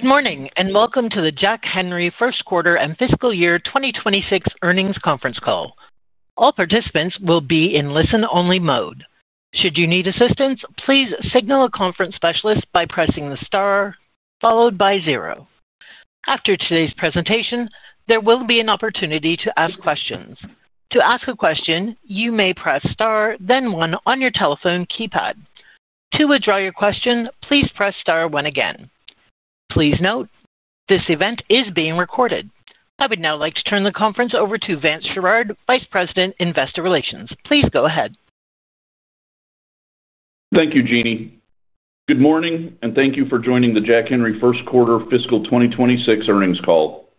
Good morning and welcome to the Jack Henry first quarter and fiscal year 2026 earnings conference call. All participants will be in listen-only mode. Should you need assistance, please signal a conference specialist by pressing the star followed by zero. After today's presentation, there will be an opportunity to ask questions. To ask a question, you may press star, then one on your telephone keypad. To withdraw your question, please press star one again. Please note, this event is being recorded. I would now like to turn the conference over to Vance Sherard, Vice President, Investor Relations. Please go ahead. Thank you, Jeannie. Good morning and thank you for joining the Jack Henry first quarter fiscal 2026 earnings call.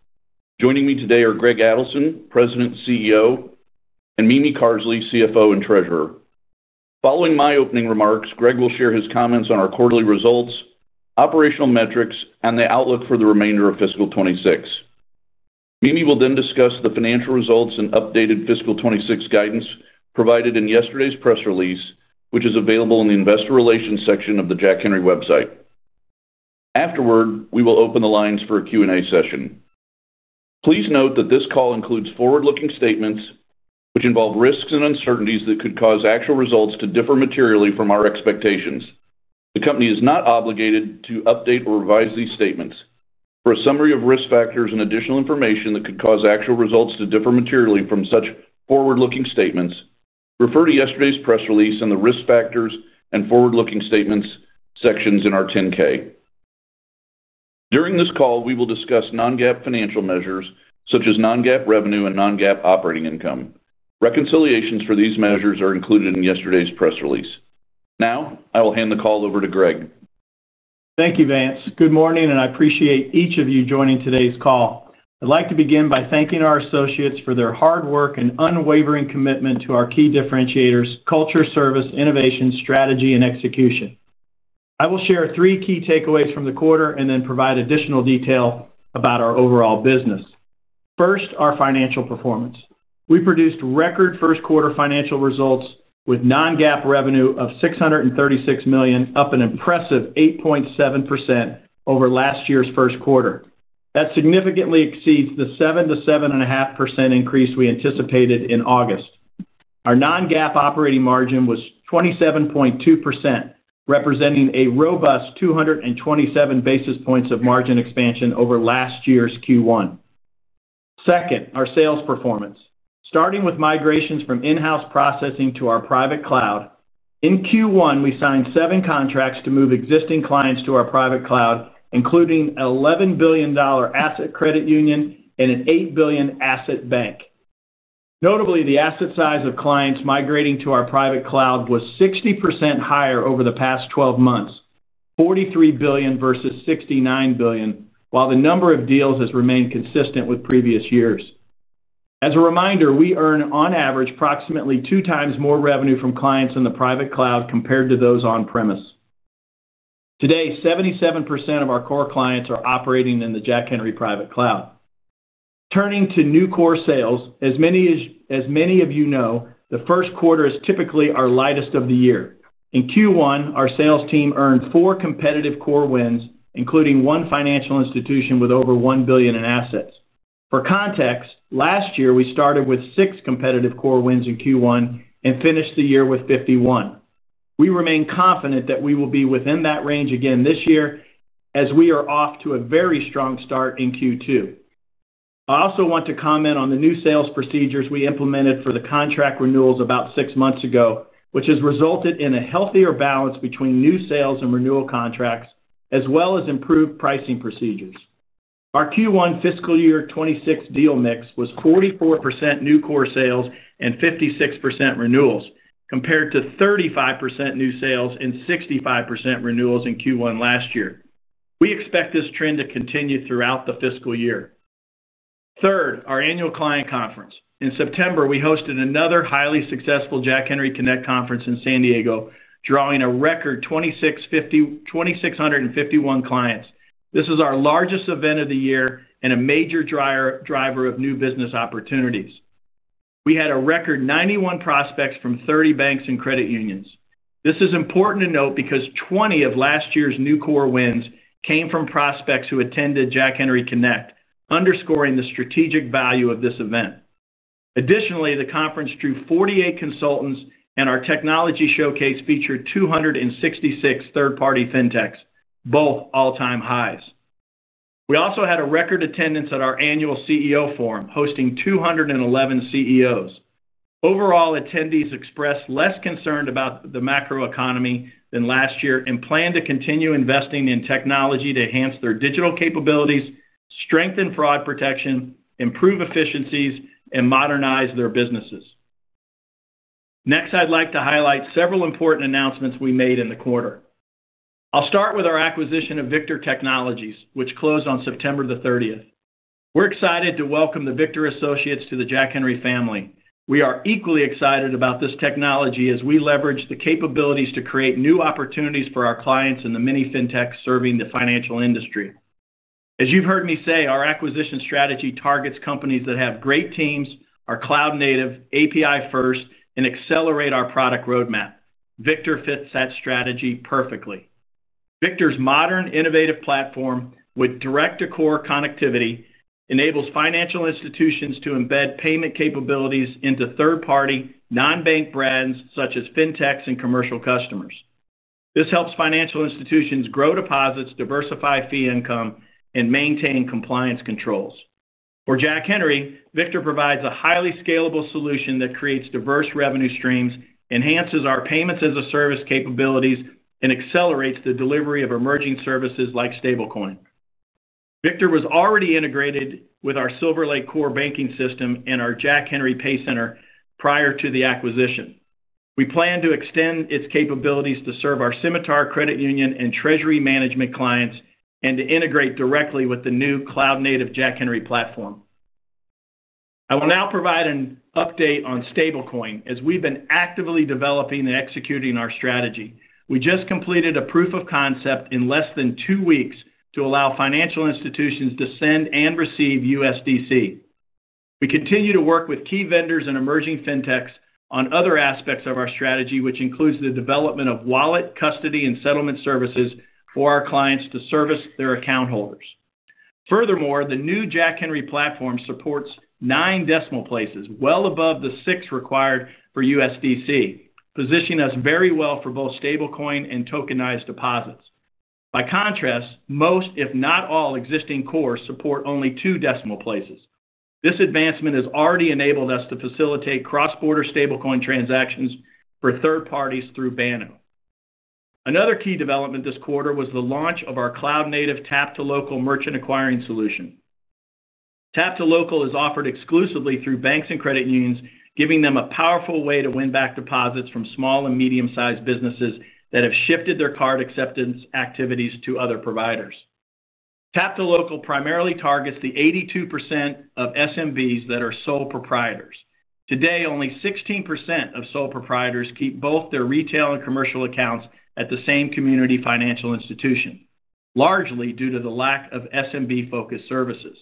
Joining me today are Greg Adelson, President, CEO, and Mimi Carsley, CFO and Treasurer. Following my opening remarks, Greg will share his comments on our quarterly results, operational metrics, and the outlook for the remainder of fiscal 2026. Mimi will then discuss the financial results and updated fiscal 2026 guidance provided in yesterday's press release, which is available in the investor relations section of the Jack Henry website. Afterward, we will open the lines for a Q&A session. Please note that this call includes forward-looking statements which involve risks and uncertainties that could cause actual results to differ materially from our expectations. The company is not obligated to update or revise these statements. For a summary of risk factors and additional information that could cause actual results to differ materially from such forward-looking statements, refer to yesterday's press release and the risk factors and forward-looking statements sections in our 10-K. During this call, we will discuss non-GAAP financial measures such as non-GAAP revenue and non-GAAP operating income. Reconciliations for these measures are included in yesterday's press release. Now, I will hand the call over to Greg. Thank you, Vance. Good morning, and I appreciate each of you joining today's call. I'd like to begin by thanking our associates for their hard work and unwavering commitment to our key differentiators: culture, service, innovation, strategy, and execution. I will share three key takeaways from the quarter and then provide additional detail about our overall business. First, our financial performance. We produced record first-quarter financial results with non-GAAP revenue of $636 million, up an impressive 8.7% over last year's first quarter. That significantly exceeds the 7%-7.5% increase we anticipated in August. Our non-GAAP operating margin was 27.2%, representing a robust 227 basis points of margin expansion over last year's Q1. Second, our sales performance. Starting with migrations from in-house processing to our private cloud, in Q1, we signed seven contracts to move existing clients to our private cloud, including an $11 billion asset credit union and an $8 billion asset bank. Notably, the asset size of clients migrating to our private cloud was 60% higher over the past 12 months, $43 billion versus $69 billion, while the number of deals has remained consistent with previous years. As a reminder, we earn, on average, approximately 2x more revenue from clients in the private cloud compared to those on-premise. Today, 77% of our core clients are operating in the Jack Henry private cloud. Turning to new core sales, as many of you know, the first quarter is typically our lightest of the year. In Q1, our sales team earned four competitive core wins, including one financial institution with over $1 billion in assets. For context, last year, we started with six competitive core wins in Q1 and finished the year with 51. We remain confident that we will be within that range again this year, as we are off to a very strong start in Q2. I also want to comment on the new sales procedures we implemented for the contract renewals about six months ago, which has resulted in a healthier balance between new sales and renewal contracts, as well as improved pricing procedures. Our Q1 fiscal year 2026 deal mix was 44% new core sales and 56% renewals, compared to 35% new sales and 65% renewals in Q1 last year. We expect this trend to continue throughout the fiscal year. Third, our annual client conference. In September, we hosted another highly successful Jack Henry Connect conference in San Diego, drawing a record 2,651 clients. This is our largest event of the year and a major driver of new business opportunities. We had a record 91 prospects from 30 banks and credit unions. This is important to note because 20 of last year's new core wins came from prospects who attended Jack Henry Connect, underscoring the strategic value of this event. Additionally, the conference drew 48 consultants, and our technology showcase featured 266 third-party fintechs, both all-time highs. We also had a record attendance at our annual CEO forum, hosting 211 CEOs. Overall, attendees expressed less concern about the macroeconomy than last year and plan to continue investing in technology to enhance their digital capabilities, strengthen fraud protection, improve efficiencies, and modernize their businesses. Next, I'd like to highlight several important announcements we made in the quarter. I'll start with our acquisition of Victor Technologies, which closed on September the 30th. We're excited to welcome the Victor associates to the Jack Henry family. We are equally excited about this technology as we leverage the capabilities to create new opportunities for our clients in the many fintechs serving the financial industry. As you've heard me say, our acquisition strategy targets companies that have great teams, are cloud-native, API-first, and accelerate our product roadmap. Victor fits that strategy perfectly. Victor's modern, innovative platform with direct-to-core connectivity enables financial institutions to embed payment capabilities into third-party, non-bank brands such as fintechs and commercial customers. This helps financial institutions grow deposits, diversify fee income, and maintain compliance controls. For Jack Henry, Victor provides a highly scalable solution that creates diverse revenue streams, enhances our payments-as-a-service capabilities, and accelerates the delivery of emerging services like stablecoin. Victor was already integrated with our SilverLake Core Banking System and our Jack Henry PayCenter prior to the acquisition. We plan to extend its capabilities to serve our Symitar credit union and Treasury Management clients and to integrate directly with the new cloud-native Jack Henry platform. I will now provide an update on stablecoin. As we've been actively developing and executing our strategy, we just completed a proof of concept in less than two weeks to allow financial institutions to send and receive USDC. We continue to work with key vendors and emerging fintechs on other aspects of our strategy, which includes the development of wallet, custody, and settlement services for our clients to service their account holders. Furthermore, the new Jack Henry platform supports nine decimal places, well above the six required for USDC, positioning us very well for both stablecoin and tokenized deposits. By contrast, most, if not all, existing cores support only two decimal places. This advancement has already enabled us to facilitate cross-border stablecoin transactions for third parties through Banno. Another key development this quarter was the launch of our cloud-native Tap2Local merchant acquiring solution. Tap2Local is offered exclusively through banks and credit unions, giving them a powerful way to win back deposits from small and medium-sized businesses that have shifted their card acceptance activities to other providers. Tap2Local primarily targets the 82% of SMBs that are sole proprietors. Today, only 16% of sole proprietors keep both their retail and commercial accounts at the same community financial institution, largely due to the lack of SMB-focused services.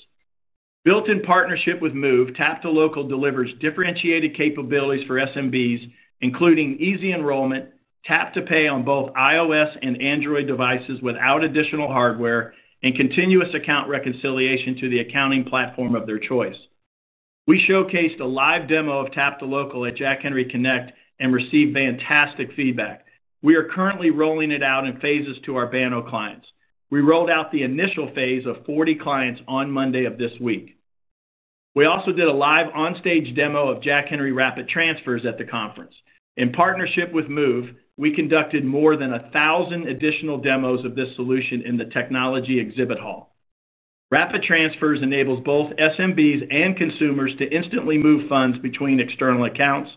Built in partnership with Moov, Tap2Local delivers differentiated capabilities for SMBs, including easy enrollment, tap-to-pay on both iOS and Android devices without additional hardware, and continuous account reconciliation to the accounting platform of their choice. We showcased a live demo of Tap2Local at Jack Henry Connect and received fantastic feedback. We are currently rolling it out in phases to our Banno clients. We rolled out the initial phase of 40 clients on Monday of this week. We also did a live on-stage demo of Jack Henry Rapid Transfers at the conference. In partnership with Moov, we conducted more than 1,000 additional demos of this solution in the technology exhibit hall. Rapid Transfers enables both SMBs and consumers to instantly move funds between external accounts,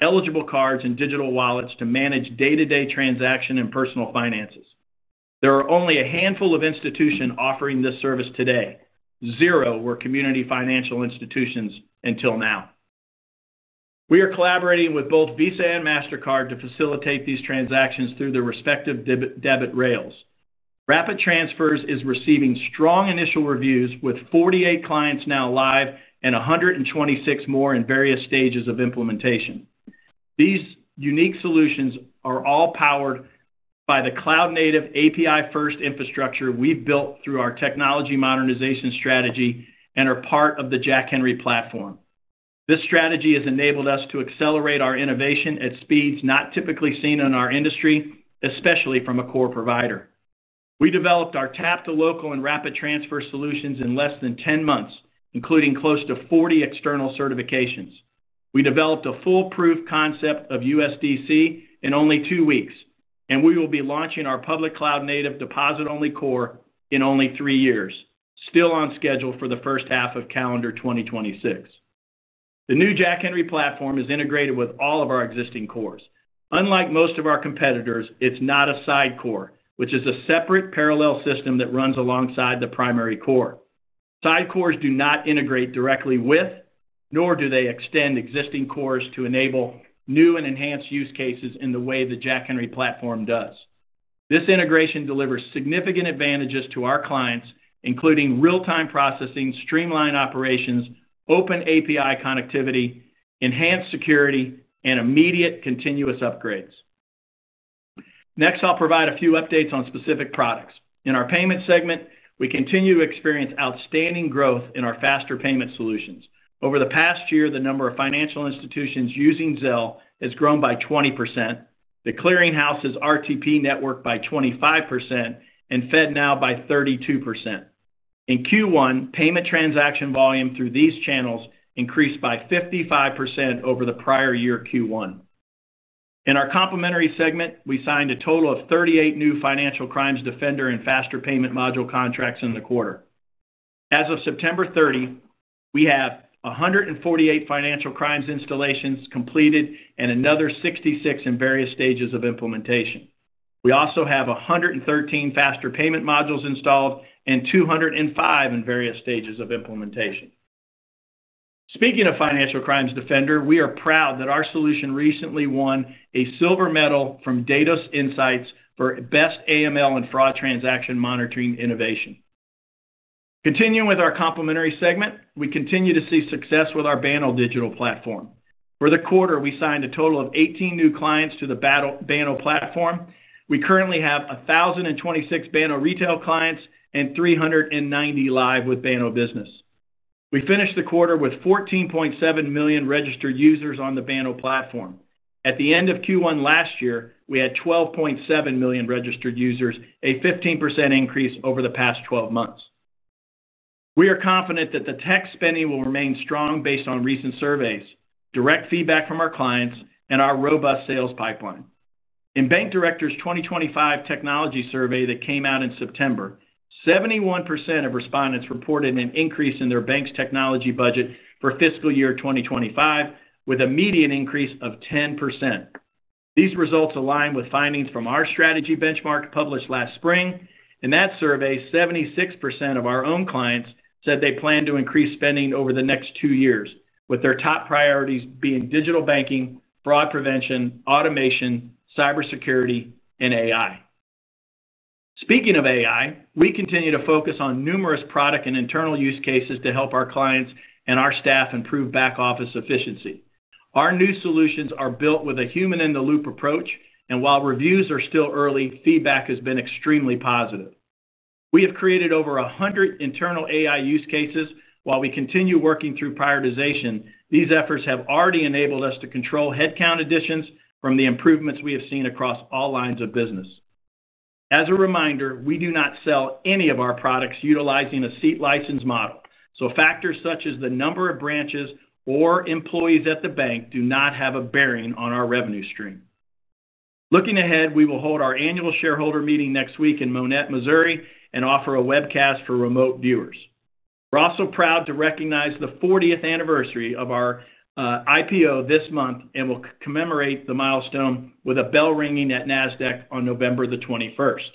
eligible cards, and digital wallets to manage day-to-day transaction and personal finances. There are only a handful of institutions offering this service today, zero were community financial institutions until now. We are collaborating with both Visa and Mastercard to facilitate these transactions through their respective debit rails. Rapid Transfers is receiving strong initial reviews with 48 clients now live and 126 more in various stages of implementation. These unique solutions are all powered by the cloud-native API-first infrastructure we've built through our technology modernization strategy and are part of the Jack Henry platform. This strategy has enabled us to accelerate our innovation at speeds not typically seen in our industry, especially from a core provider. We developed our Tap2Local and Rapid Transfers solutions in less than 10 months, including close to 40 external certifications. We developed a full proof of concept of USDC in only two weeks, and we will be launching our public cloud-native deposit-only core in only three years, still on schedule for the first half of calendar 2026. The new Jack Henry platform is integrated with all of our existing cores. Unlike most of our competitors, it's not a side core, which is a separate parallel system that runs alongside the primary core. Side cores do not integrate directly with, nor do they extend existing cores to enable new and enhanced use cases in the way the Jack Henry platform does. This integration delivers significant advantages to our clients, including real-time processing, streamlined operations, open API connectivity, enhanced security, and immediate continuous upgrades. Next, I'll provide a few updates on specific products. In our payment segment, we continue to experience outstanding growth in our faster payment solutions. Over the past year, the number of financial institutions using Zelle has grown by 20%, the Clearing House's RTP network by 25%, and FedNow by 32%. In Q1, payment transaction volume through these channels increased by 55% over the prior year Q1. In our complementary segment, we signed a total of 38 new Financial Crimes Defender and faster payment module contracts in the quarter. As of September 30, we have 148 Financial Crimes installations completed and another 66 in various stages of implementation. We also have 113 faster payment modules installed and 205 in various stages of implementation. Speaking of Financial Crimes Defender, we are proud that our solution recently won a silver medal from Datos Insights for Best AML and Fraud Transaction Monitoring Innovation. Continuing with our complementary segment, we continue to see success with our Banno digital platform. For the quarter, we signed a total of 18 new clients to the Banno platform. We currently have 1,026 Banno retail clients and 390 live with Banno Business. We finished the quarter with 14.7 million registered users on the Banno platform. At the end of Q1 last year, we had 12.7 million registered users, a 15% increase over the past 12 months. We are confident that the tech spending will remain strong based on recent surveys, direct feedback from our clients, and our robust sales pipeline. In Bank Director's 2025 Technology Survey that came out in September, 71% of respondents reported an increase in their bank's technology budget for fiscal year 2025, with a median increase of 10%. These results align with findings from our strategy benchmark published last spring. In that survey, 76% of our own clients said they plan to increase spending over the next two years, with their top priorities being digital banking, fraud prevention, automation, cybersecurity, and AI. Speaking of AI, we continue to focus on numerous product and internal use cases to help our clients and our staff improve back-office efficiency. Our new solutions are built with a human-in-the-loop approach, and while reviews are still early, feedback has been extremely positive. We have created over 100 internal AI use cases. While we continue working through prioritization, these efforts have already enabled us to control headcount additions from the improvements we have seen across all lines of business. As a reminder, we do not sell any of our products utilizing a seat license model, so factors such as the number of branches or employees at the bank do not have a bearing on our revenue stream. Looking ahead, we will hold our annual shareholder meeting next week in Monett, Missouri, and offer a webcast for remote viewers. We're also proud to recognize the 40th anniversary of our IPO this month and will commemorate the milestone with a bell ringing at NASDAQ on November the 21st.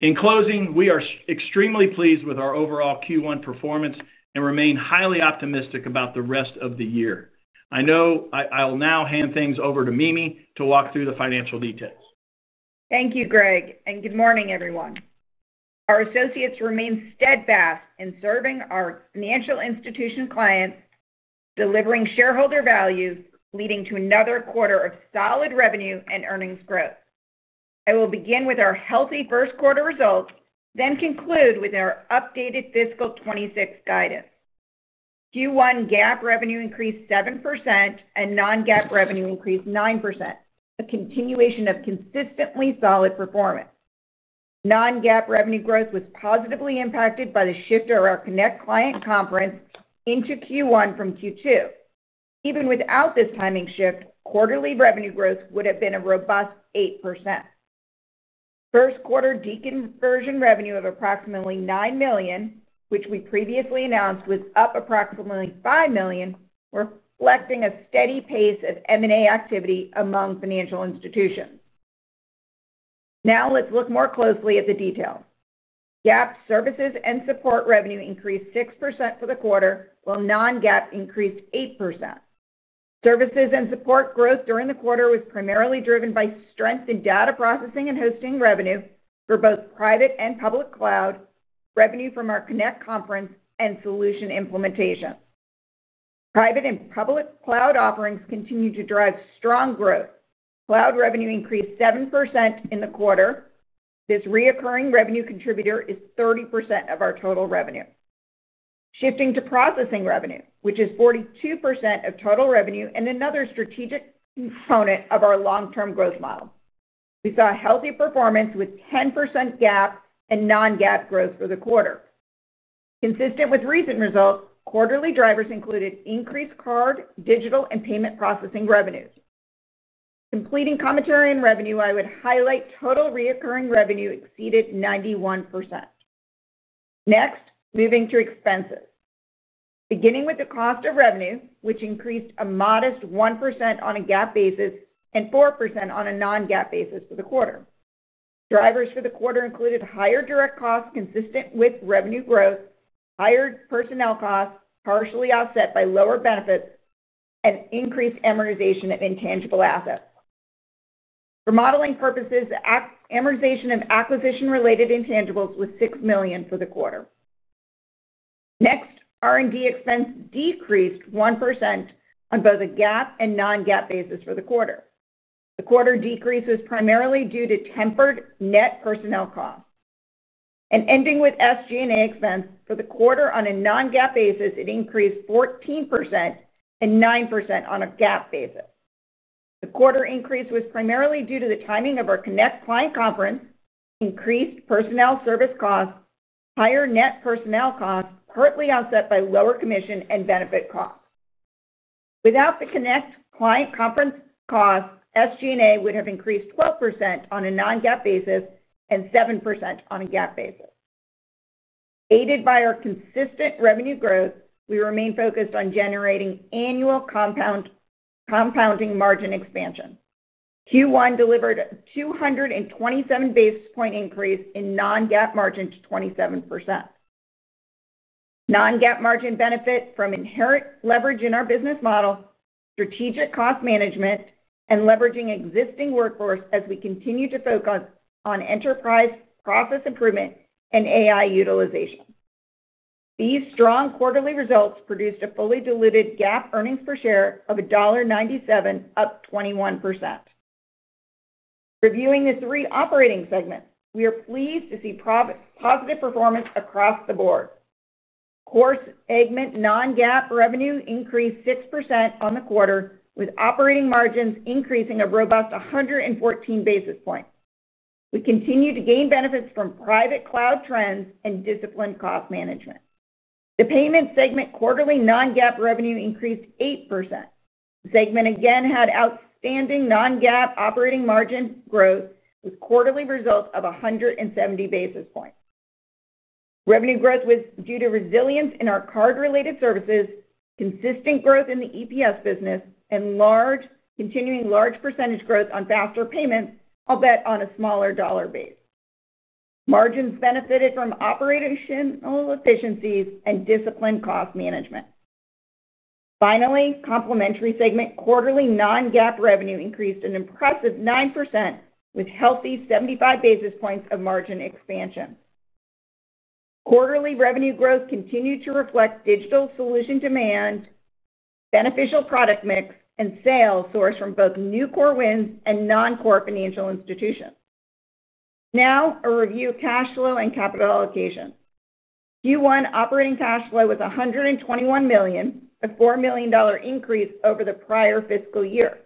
In closing, we are extremely pleased with our overall Q1 performance and remain highly optimistic about the rest of the year. I know I'll now hand things over to Mimi to walk through the financial details. Thank you, Greg, and good morning, everyone. Our associates remain steadfast in serving our financial institution clients, delivering shareholder value, leading to another quarter of solid revenue and earnings growth. I will begin with our healthy first quarter results, then conclude with our updated fiscal 2026 guidance. Q1 GAAP revenue increased 7% and non-GAAP revenue increased 9%, a continuation of consistently solid performance. Non-GAAP revenue growth was positively impacted by the shift of our Connect client conference into Q1 from Q2. Even without this timing shift, quarterly revenue growth would have been a robust 8%. First quarter deconversion revenue of approximately $9 million, which we previously announced, was up approximately $5 million, reflecting a steady pace of M&A activity among financial institutions. Now let's look more closely at the details. GAAP services and support revenue increased 6% for the quarter, while non-GAAP increased 8%. Services and support growth during the quarter was primarily driven by strength in data processing and hosting revenue for both private and public cloud, revenue from our connect conference, and solution implementation. Private and public cloud offerings continue to drive strong growth. Cloud revenue increased 7% in the quarter. This recurring revenue contributor is 30% of our total revenue. Shifting to processing revenue, which is 42% of total revenue and another strategic component of our long-term growth model. We saw healthy performance with 10% GAAP and non-GAAP growth for the quarter. Consistent with recent results, quarterly drivers included increased card, digital, and payment processing revenues. Completing commentary on revenue, I would highlight total recurring revenue exceeded 91%. Next, moving to expenses. Beginning with the cost of revenue, which increased a modest 1% on a GAAP basis and 4% on a non-GAAP basis for the quarter. Drivers for the quarter included higher direct costs consistent with revenue growth, higher personnel costs partially offset by lower benefits, and increased amortization of intangible assets. For modeling purposes, amortization of acquisition-related intangibles was $6 million for the quarter. Next, R&D expense decreased 1% on both a GAAP and non-GAAP basis for the quarter. The quarter decrease was primarily due to tempered net personnel costs. Ending with SG&A expense, for the quarter on a non-GAAP basis, it increased 14% and 9% on a GAAP basis. The quarter increase was primarily due to the timing of our Connect client conference, increased personnel service costs, higher net personnel costs partly offset by lower commission and benefit costs. Without the Connect client conference costs, SG&A would have increased 12% on a non-GAAP basis and 7% on a GAAP basis. Aided by our consistent revenue growth, we remain focused on generating annual compounding margin expansion. Q1 delivered a 227 basis point increase in non-GAAP margin to 27%. Non-GAAP margin benefit from inherent leverage in our business model, strategic cost management, and leveraging existing workforce as we continue to focus on enterprise process improvement and AI utilization. These strong quarterly results produced a fully diluted GAAP earnings per share of $1.97, up 21%. Reviewing the three operating segments, we are pleased to see positive performance across the board. Core segment non-GAAP revenue increased 6% on the quarter, with operating margins increasing a robust 114 basis points. We continue to gain benefits from private cloud trends and disciplined cost management. The payment segment quarterly non-GAAP revenue increased 8%. The segment again had outstanding non-GAAP operating margin growth with quarterly results of 170 basis points. Revenue growth was due to resilience in our card-related services, consistent growth in the EPS business, and continuing large percentage growth on faster payments, albeit on a smaller dollar base. Margins benefited from operational efficiencies and disciplined cost management. Finally, complementary segment quarterly non-GAAP revenue increased an impressive 9% with healthy 75 basis points of margin expansion. Quarterly revenue growth continued to reflect digital solution demand, beneficial product mix, and sales sourced from both new core wins and non-core financial institutions. Now, a review of cash flow and capital allocation. Q1 operating cash flow was $121 million, a $4 million increase over the prior fiscal year.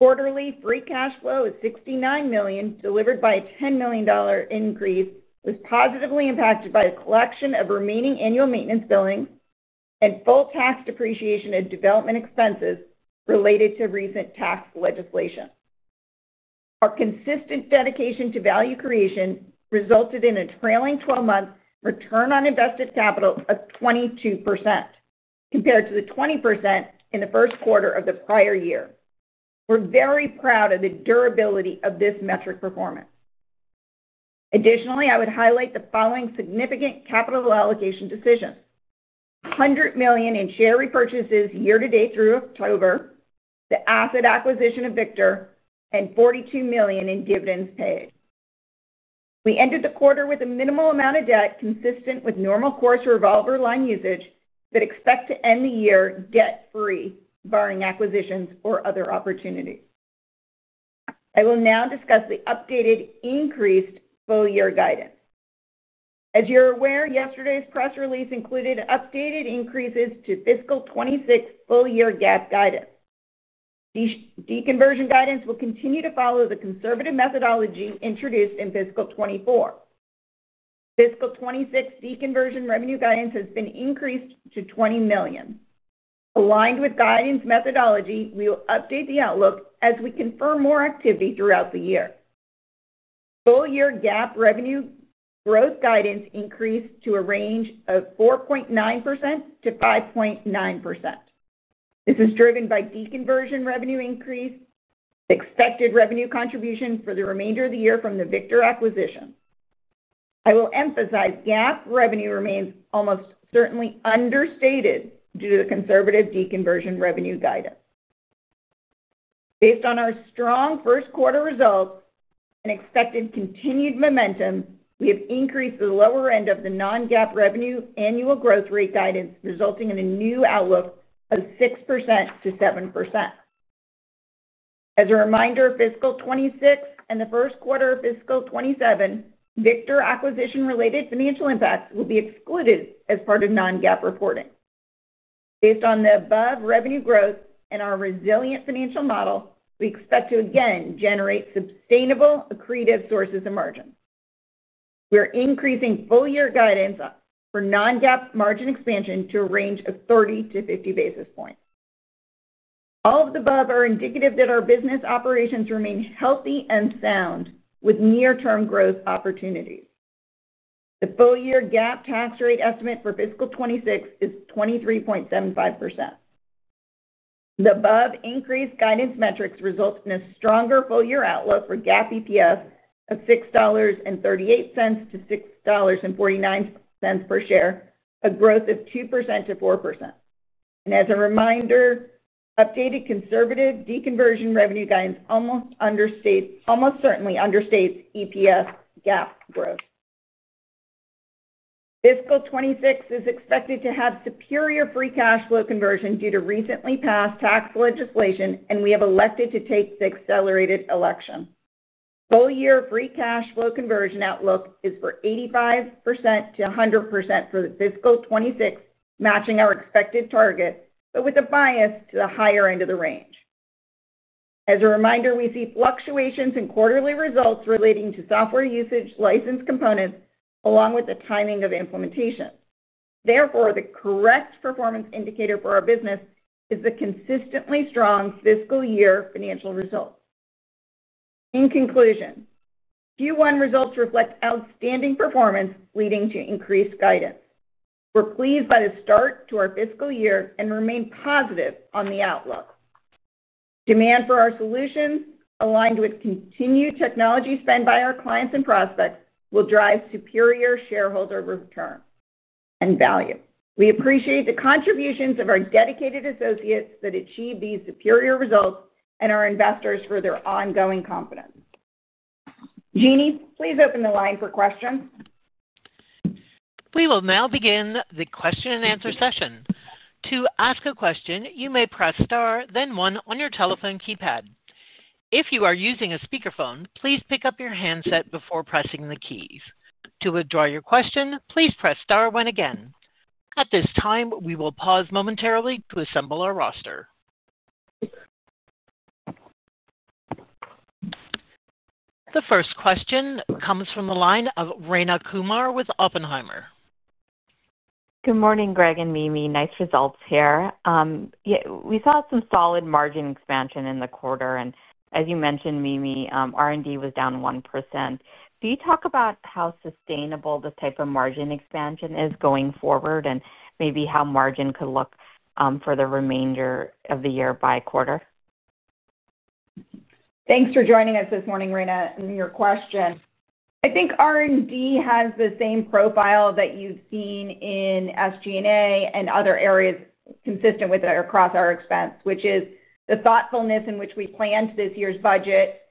Quarterly free cash flow was $69 million, delivered by a $10 million increase, was positively impacted by the collection of remaining annual maintenance billings and full tax depreciation and development expenses related to recent tax legislation. Our consistent dedication to value creation resulted in a trailing 12-month return on invested capital of 22%, compared to the 20% in the first quarter of the prior year. We're very proud of the durability of this metric performance. Additionally, I would highlight the following significant capital allocation decisions. $100 million in share repurchases year-to-date through October, the asset acquisition of Victor, and $42 million in dividends paid. We ended the quarter with a minimal amount of debt consistent with normal course revolver line usage that expects to end the year debt-free, barring acquisitions or other opportunities. I will now discuss the updated increased full-year guidance. As you're aware, yesterday's press release included updated increases to fiscal 2026 full-year GAAP guidance. Deconversion guidance will continue to follow the conservative methodology introduced in fiscal 2024. Fiscal 2026 deconversion revenue guidance has been increased to $20 million. Aligned with guidance methodology, we will update the outlook as we confirm more activity throughout the year. Full-year GAAP revenue growth guidance increased to a range of 4.9%-5.9%. This is driven by deconversion revenue increase, expected revenue contribution for the remainder of the year from the Victor acquisition. I will emphasize GAAP revenue remains almost certainly understated due to the conservative deconversion revenue guidance. Based on our strong first quarter results and expected continued momentum, we have increased the lower end of the non-GAAP revenue annual growth rate guidance, resulting in a new outlook of 6%-7%. As a reminder, fiscal 2026 and the first quarter of fiscal 2027, Victor acquisition-related financial impacts will be excluded as part of non-GAAP reporting. Based on the above revenue growth and our resilient financial model, we expect to again generate sustainable accretive sources of margin. We are increasing full-year guidance for non-GAAP margin expansion to a range of 30-50 basis points. All of the above are indicative that our business operations remain healthy and sound with near-term growth opportunities. The full-year GAAP tax rate estimate for fiscal 2026 is 23.75%. The above increased guidance metrics result in a stronger full-year outlook for GAAP EPF of $6.38-$6.49 per share, a growth of 2%-4%. As a reminder, updated conservative deconversion revenue guidance almost certainly understates EPF GAAP growth. Fiscal 2026 is expected to have superior free cash flow conversion due to recently passed tax legislation, and we have elected to take the accelerated election. Full-year free cash flow conversion outlook is for 85%-100% for fiscal 2026, matching our expected target, but with a bias to the higher end of the range. As a reminder, we see fluctuations in quarterly results relating to software usage, license components, along with the timing of implementation. Therefore, the correct performance indicator for our business is the consistently strong fiscal year financial results. In conclusion, Q1 results reflect outstanding performance leading to increased guidance. We're pleased by the start to our fiscal year and remain positive on the outlook. Demand for our solutions, aligned with continued technology spend by our clients and prospects, will drive superior shareholder return and value. We appreciate the contributions of our dedicated associates that achieve these superior results and our investors for their ongoing confidence. Jeannie, please open the line for questions. We will now begin the question and answer session. To ask a question, you may press star, then one on your telephone keypad. If you are using a speakerphone, please pick up your handset before pressing the keys. To withdraw your question, please press star one again. At this time, we will pause momentarily to assemble our roster. The first question comes from the line of Rayna Kumar with Oppenheimer. Good morning, Greg and Mimi. Nice results here. We saw some solid margin expansion in the quarter. As you mentioned, Mimi, R&D was down 1%. Can you talk about how sustainable this type of margin expansion is going forward and maybe how margin could look for the remainder of the year by quarter? Thanks for joining us this morning, Rayna. Your question. I think R&D has the same profile that you've seen in SG&A and other areas consistent with across our expense, which is the thoughtfulness in which we planned this year's budget,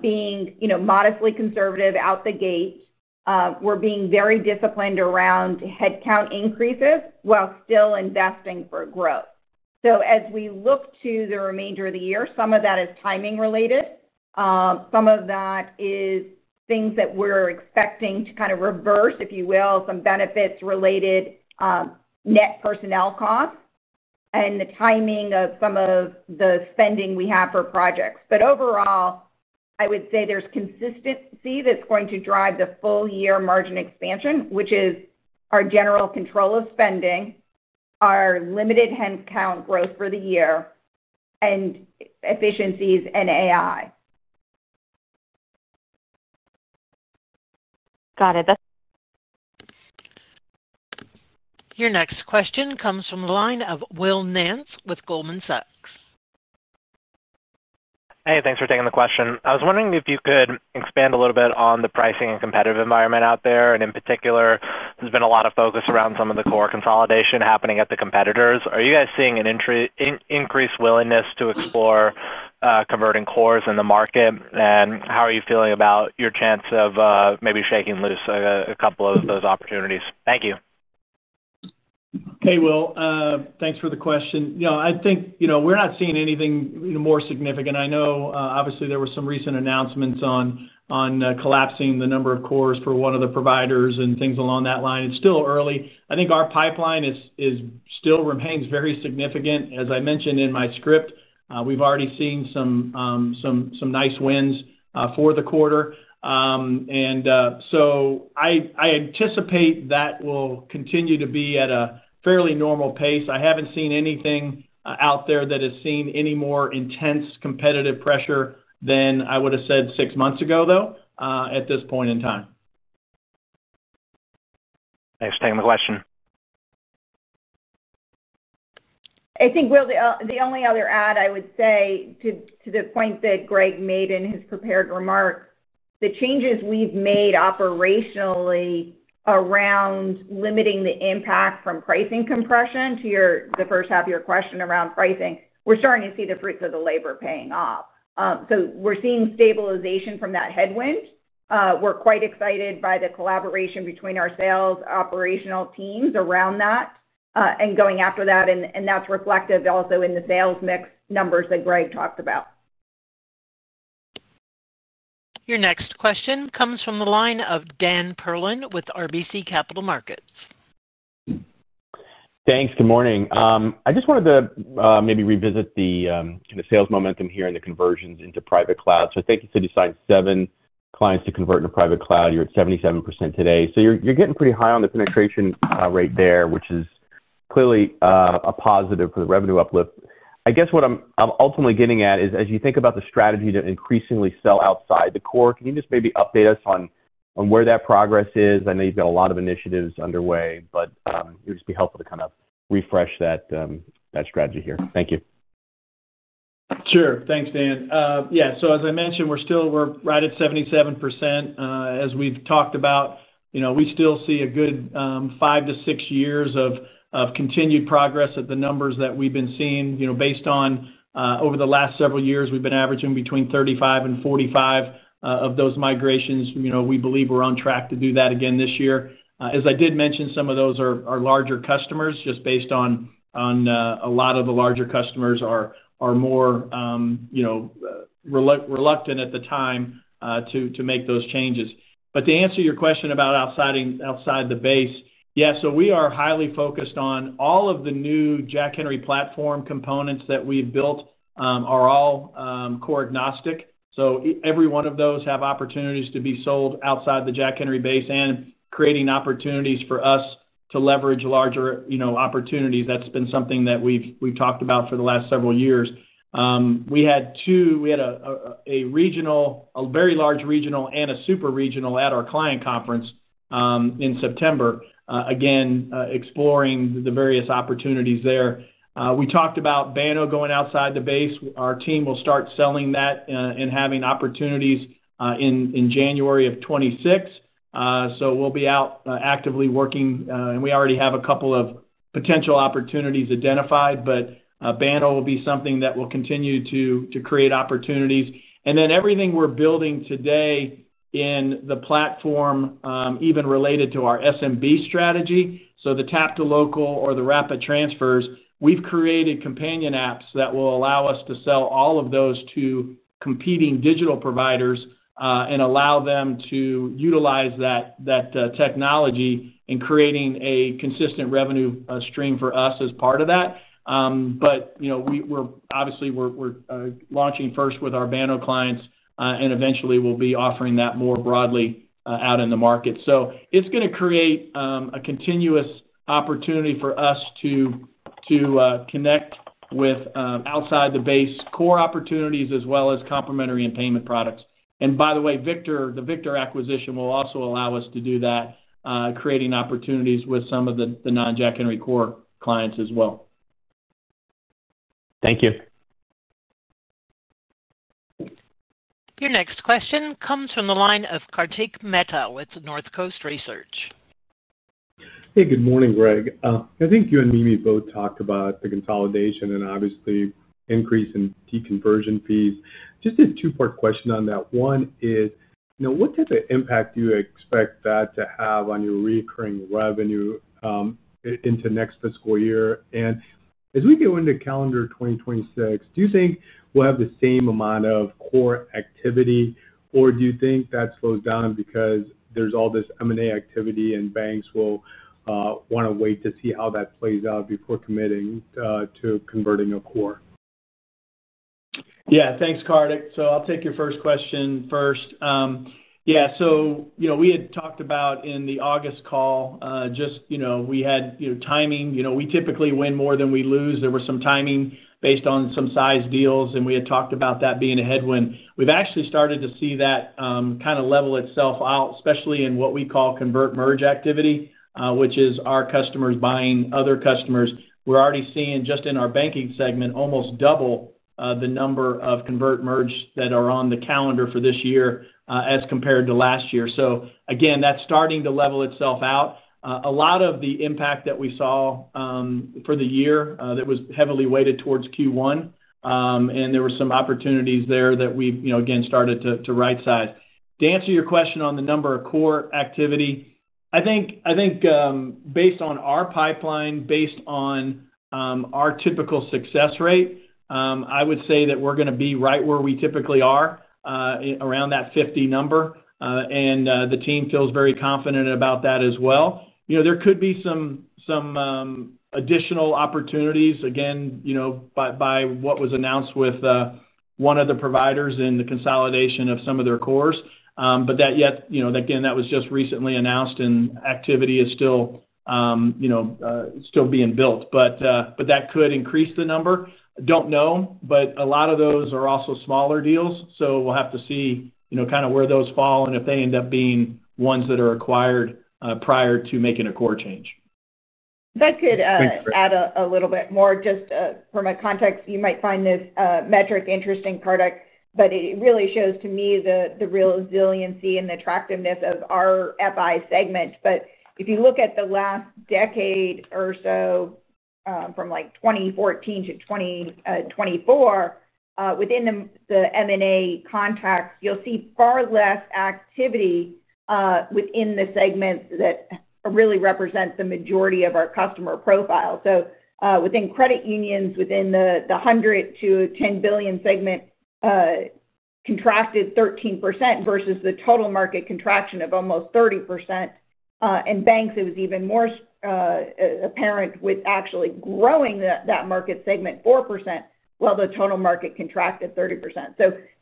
being modestly conservative out the gate. We're being very disciplined around headcount increases while still investing for growth. As we look to the remainder of the year, some of that is timing related. Some of that is things that we're expecting to kind of reverse, if you will, some benefits related to net personnel costs and the timing of some of the spending we have for projects. Overall, I would say there's consistency that's going to drive the full-year margin expansion, which is our general control of spending, our limited headcount growth for the year, and efficiencies and AI. Got it. Your next question comes from the line of Will Nance with Goldman Sachs. Hey, thanks for taking the question. I was wondering if you could expand a little bit on the pricing and competitive environment out there. In particular, there's been a lot of focus around some of the core consolidation happening at the competitors. Are you guys seeing an increased willingness to explore converting cores in the market? How are you feeling about your chance of maybe shaking loose a couple of those opportunities? Thank you. Hey, Will, thanks for the question. I think we're not seeing anything more significant. I know, obviously, there were some recent announcements on. Collapsing the number of cores for one of the providers and things along that line. It is still early. I think our pipeline still remains very significant. As I mentioned in my script, we have already seen some nice wins for the quarter. I anticipate that will continue to be at a fairly normal pace. I have not seen anything out there that has seen any more intense competitive pressure than I would have said six months ago, though, at this point in time. Thanks for taking the question. I think, Will, the only other add I would say to the point that Greg made in his prepared remarks, the changes we have made operationally around limiting the impact from pricing compression to the first half of your question around pricing, we are starting to see the fruits of the labor paying off. We are seeing stabilization from that headwind. We're quite excited by the collaboration between our sales operational teams around that. Going after that, that's reflective also in the sales mix numbers that Greg talked about. Your next question comes from the line of Dan Perlin with RBC Capital Markets. Thanks. Good morning. I just wanted to maybe revisit the sales momentum here and the conversions into private cloud. I think you said you signed seven clients to convert into private cloud. You're at 77% today. You're getting pretty high on the penetration rate there, which is clearly a positive for the revenue uplift. I guess what I'm ultimately getting at is, as you think about the strategy to increasingly sell outside the core, can you just maybe update us on where that progress is? I know you've got a lot of initiatives underway, but it would just be helpful to kind of refresh that strategy here. Thank you. Sure. Thanks, Dan. Yeah. As I mentioned, we're still right at 77%. As we've talked about, we still see a good five to six years of continued progress at the numbers that we've been seeing. Based on over the last several years, we've been averaging between 35-45 of those migrations. We believe we're on track to do that again this year. As I did mention, some of those are larger customers just based on a lot of the larger customers are more reluctant at the time to make those changes. To answer your question about outside the base, yeah, we are highly focused on all of the new Jack Henry platform components that we've built are all core agnostic. Every one of those has opportunities to be sold outside the Jack Henry base and creating opportunities for us to leverage larger opportunities. That has been something that we have talked about for the last several years. We had a regional, a very large regional, and a super regional at our client conference in September, again, exploring the various opportunities there. We talked about Banno going outside the base. Our team will start selling that and having opportunities in January of 2026. We will be out actively working, and we already have a couple of potential opportunities identified, but Banno will be something that will continue to create opportunities. Everything we're building today in the platform, even related to our SMB strategy, so the Tap2Local or the Rapid Transfers, we've created companion apps that will allow us to sell all of those to competing digital providers and allow them to utilize that technology in creating a consistent revenue stream for us as part of that. Obviously, we're launching first with our Banno clients, and eventually, we'll be offering that more broadly out in the market. It is going to create a continuous opportunity for us to connect with outside the base core opportunities as well as complementary and payment products. By the way, the Victor acquisition will also allow us to do that, creating opportunities with some of the non-Jack Henry core clients as well. Thank you. Your next question comes from the line of Kartik Mehta with Northcoast Research. Hey, good morning, Greg. I think you and Mimi both talked about the consolidation and obviously increase in deconversion fees. Just a two-part question on that. One is, what type of impact do you expect that to have on your recurring revenue into next fiscal year? And as we go into calendar 2026, do you think we'll have the same amount of core activity, or do you think that slows down because there's all this M&A activity and banks will want to wait to see how that plays out before committing to converting a core? Yeah. Thanks, Kartik. So I'll take your first question first. Yeah. So we had talked about in the August call, just we had timing. We typically win more than we lose. There was some timing based on some size deals, and we had talked about that being a headwind. We've actually started to see that kind of level itself out, especially in what we call convert-merge activity, which is our customers buying other customers. We're already seeing, just in our banking segment, almost double the number of convert-merge that are on the calendar for this year as compared to last year. That is starting to level itself out. A lot of the impact that we saw for the year was heavily weighted towards Q1. There were some opportunities there that we, again, started to right-size. To answer your question on the number of core activity, I think based on our pipeline, based on our typical success rate, I would say that we're going to be right where we typically are, around that 50 number. The team feels very confident about that as well. There could be some additional opportunities, again, by what was announced with. One of the providers in the consolidation of some of their cores. Yet, again, that was just recently announced, and activity is still being built. That could increase the number. Do not know, but a lot of those are also smaller deals. We will have to see kind of where those fall and if they end up being ones that are acquired prior to making a core change. If I could add a little bit more, just for my context, you might find this metric interesting, Kartik, but it really shows to me the resiliency and the attractiveness of our FI segment. If you look at the last decade or so, from 2014 to 2024, within the M&A context, you will see far less activity within the segments that really represent the majority of our customer profile. Within credit unions, within the $100 million-$10 billion segment. Contracted 13% versus the total market contraction of almost 30%. In banks, it was even more. Apparent with actually growing that market segment 4%, while the total market contracted 30%.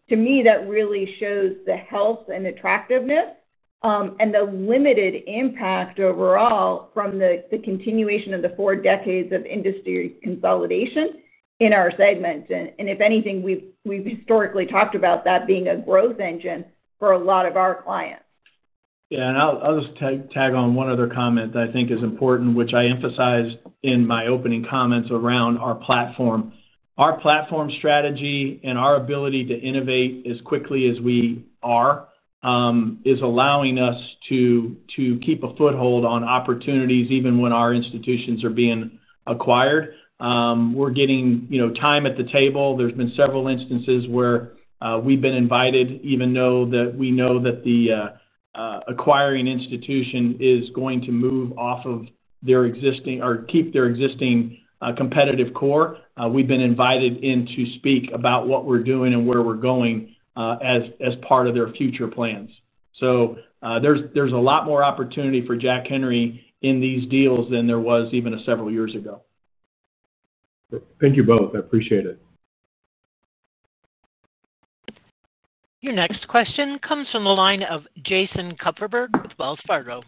To me, that really shows the health and attractiveness. The limited impact overall from the continuation of the four decades of industry consolidation in our segment. If anything, we've historically talked about that being a growth engine for a lot of our clients. Yeah. I'll just tag on one other comment that I think is important, which I emphasized in my opening comments around our platform. Our platform strategy and our ability to innovate as quickly as we are is allowing us to keep a foothold on opportunities even when our institutions are being acquired. We're getting time at the table. There's been several instances where we've been invited, even though we know that the. Acquiring institution is going to move off of their existing or keep their existing competitive core. We've been invited in to speak about what we're doing and where we're going as part of their future plans. There is a lot more opportunity for Jack Henry in these deals than there was even several years ago. Thank you both. I appreciate it. Your next question comes from the line of Jason Kupferberg with Wells Fargo.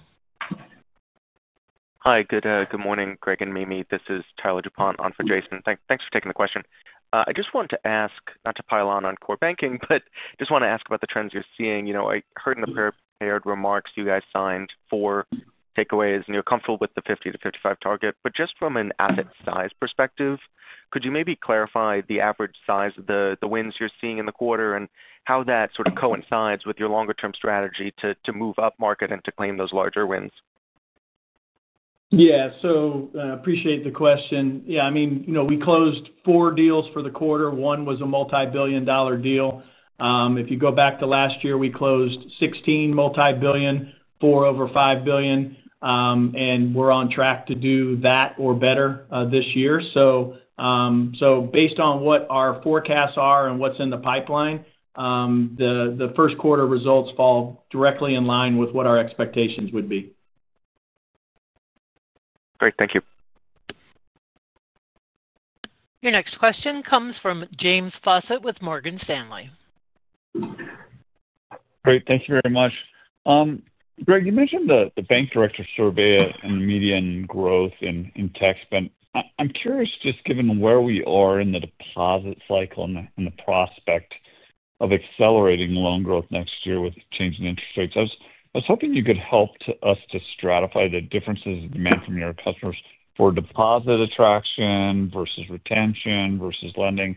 Hi. Good morning, Greg and Mimi. This is Tyler DuPont on for Jason. Thanks for taking the question. I just wanted to ask, not to pile on on core banking, but just want to ask about the trends you're seeing. I heard in the prepared remarks you guys signed four takeaways, and you're comfortable with the 50%-55% target. But just from an asset size perspective, could you maybe clarify the average size of the wins you're seeing in the quarter and how that sort of coincides with your longer-term strategy to move up market and to claim those larger wins? Yeah. I appreciate the question. Yeah. I mean, we closed four deals for the quarter. One was a multi-billion dollar deal. If you go back to last year, we closed 16 multi-billion, four over $5 billion. We're on track to do that or better this year. Based on what our forecasts are and what's in the pipeline. The first quarter results fall directly in line with what our expectations would be. Great. Thank you. Your next question comes from James Faucette with Morgan Stanley. Great. Thank you very much. Greg, you mentioned the bank director survey and median growth in tax spend. I'm curious, just given where we are in the deposit cycle and the prospect of accelerating loan growth next year with changing interest rates, I was hoping you could help us to stratify the differences demand from your customers for deposit attraction versus retention versus lending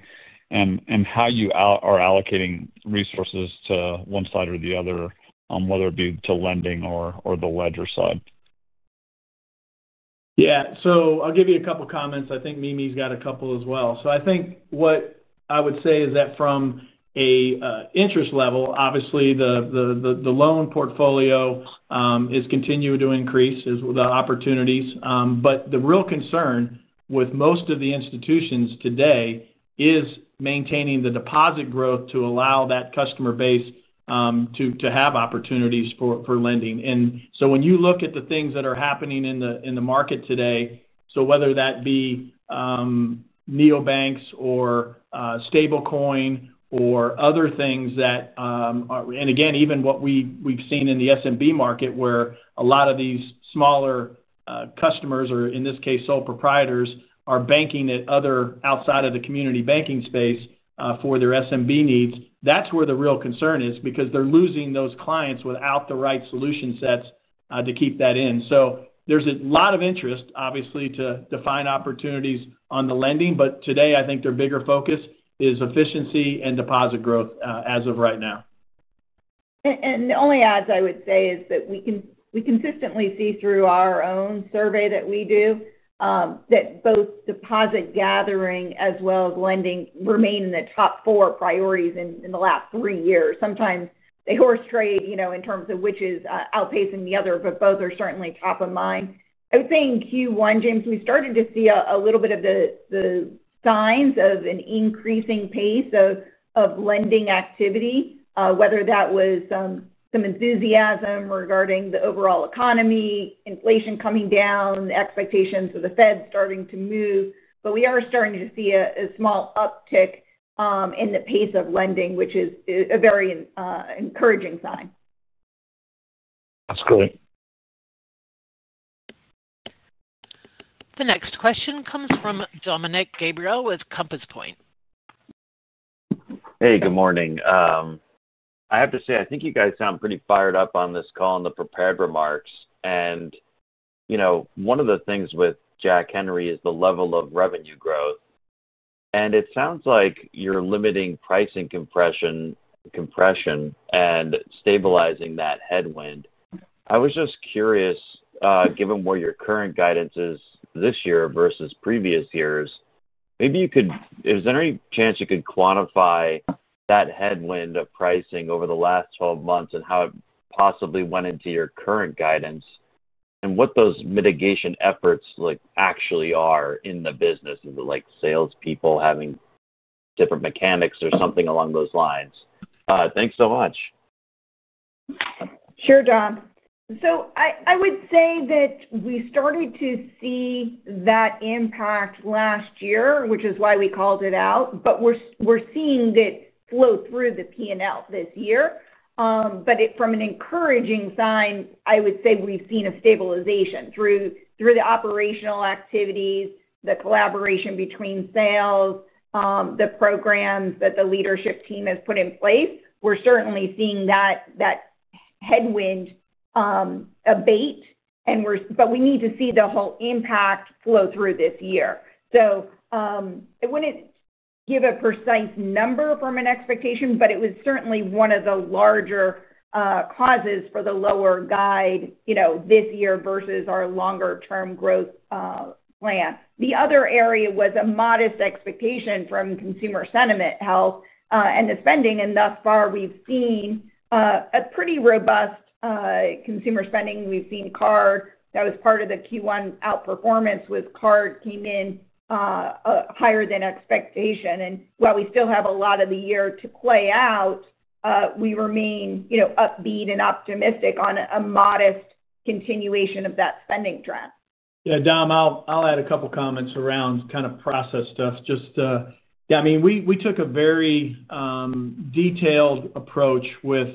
and how you are allocating resources to one side or the other, whether it be to lending or the ledger side. Yeah. So I'll give you a couple of comments. I think Mimi's got a couple as well. I think what I would say is that from an interest level, obviously, the loan portfolio is continuing to increase the opportunities. The real concern with most of the institutions today is maintaining the deposit growth to allow that customer base to have opportunities for lending. When you look at the things that are happening in the market today, whether that be neobanks or stablecoin or other things that, and again, even what we've seen in the SMB market, where a lot of these smaller customers, or in this case, sole proprietors, are banking at other outside of the community banking space for their SMB needs, that's where the real concern is because they're losing those clients without the right solution sets to keep that in. There is a lot of interest, obviously, to find opportunities on the lending. Today, I think their bigger focus is efficiency and deposit growth as of right now. The only odds I would say is that we consistently see through our own survey that we do that both deposit gathering as well as lending remain in the top four priorities in the last three years. Sometimes they horse trade in terms of which is outpacing the other, but both are certainly top of mind. I would say in Q1, James, we started to see a little bit of the signs of an increasing pace of lending activity, whether that was some enthusiasm regarding the overall economy, inflation coming down, expectations of the Fed starting to move. We are starting to see a small uptick in the pace of lending, which is a very encouraging sign. That's good. The next question comes from Dominick Gabriele with Compass Point. Hey, good morning. I have to say, I think you guys sound pretty fired up on this call and the prepared remarks. One of the things with Jack Henry is the level of revenue growth. It sounds like you're limiting pricing compression and stabilizing that headwind. I was just curious, given where your current guidance is this year versus previous years, maybe you could, is there any chance you could quantify that headwind of pricing over the last 12 months and how it possibly went into your current guidance and what those mitigation efforts actually are in the business? Is it like salespeople having different mechanics or something along those lines? Thanks so much. Sure, Dom. So I would say that we started to see that impact last year, which is why we called it out. We are seeing it flow through the P&L this year. From an encouraging sign, I would say we have seen a stabilization through the operational activities, the collaboration between sales, the programs that the leadership team has put in place. We are certainly seeing that headwind abate. We need to see the whole impact flow through this year. I wouldn't give a precise number from an expectation, but it was certainly one of the larger causes for the lower guide this year versus our longer-term growth plan. The other area was a modest expectation from consumer sentiment health and the spending. Thus far, we've seen a pretty robust consumer spending. We've seen card that was part of the Q1 outperformance with card came in higher than expectation. While we still have a lot of the year to play out, we remain upbeat and optimistic on a modest continuation of that spending trend. Yeah. Dom, I'll add a couple of comments around kind of process stuff. Just, yeah, I mean, we took a very detailed approach with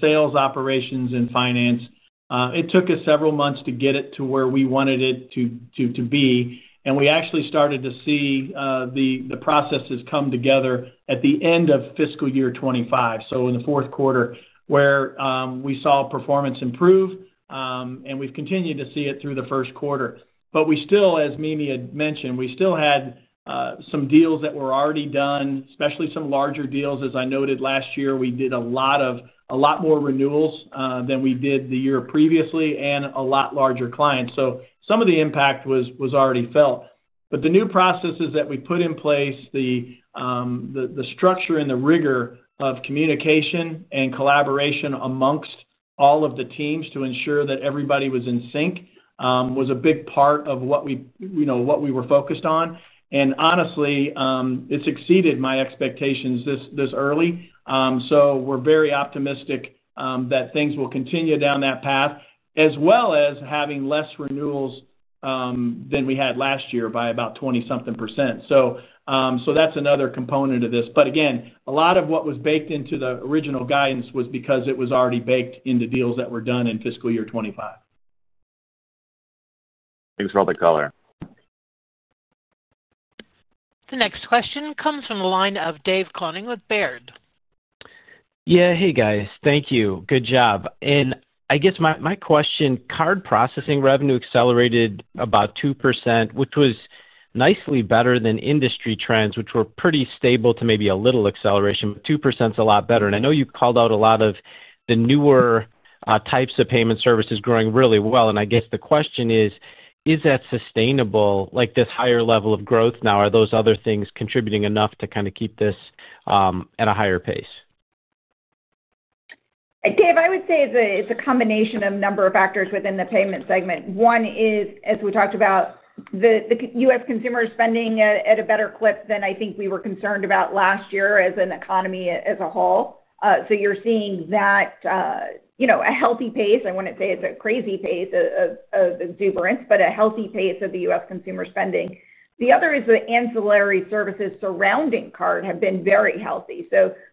sales operations and finance. It took us several months to get it to where we wanted it to be. We actually started to see the processes come together at the end of fiscal year 2025, in the fourth quarter, where we saw performance improve. We have continued to see it through the first quarter. As Mimi had mentioned, we still had some deals that were already done, especially some larger deals. As I noted last year, we did more renewals than we did the year previously and a lot larger clients. Some of the impact was already felt. The new processes that we put in place, the structure and the rigor of communication and collaboration amongst all of the teams to ensure that everybody was in sync, was a big part of what we were focused on. Honestly, it has exceeded my expectations this early. We're very optimistic that things will continue down that path, as well as having less renewals than we had last year by about 20-something percent. That's another component of this. Again, a lot of what was baked into the original guidance was because it was already baked into deals that were done in fiscal year 2025. Thanks for all the color. The next question comes from the line of Dave Koning with Baird. Yeah. Hey, guys. Thank you. Good job. I guess my question, card processing revenue accelerated about 2%, which was nicely better than industry trends, which were pretty stable to maybe a little acceleration. 2% is a lot better. I know you called out a lot of the newer types of payment services growing really well. I guess the question is, is that sustainable? This higher level of growth now, are those other things contributing enough to kind of keep this at a higher pace? Dave, I would say it's a combination of a number of factors within the payment segment. One is, as we talked about, the U.S. consumer spending at a better clip than I think we were concerned about last year as an economy as a whole. You are seeing that at a healthy pace. I would not say it's a crazy pace of exuberance, but a healthy pace of the U.S. consumer spending. The other is the ancillary services surrounding card have been very healthy.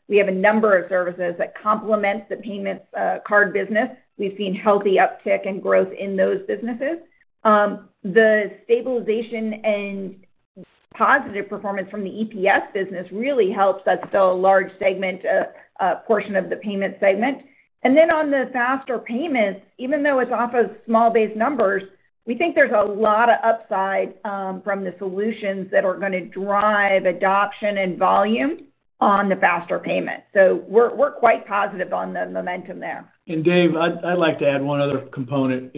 We have a number of services that complement the payments card business. We have seen healthy uptick and growth in those businesses. The stabilization and positive performance from the EPS business really helps us fill a large segment portion of the payment segment. On the faster payments, even though it's off of small-based numbers, we think there's a lot of upside from the solutions that are going to drive adoption and volume on the faster payment. We are quite positive on the momentum there. Dave, I'd like to add one other component.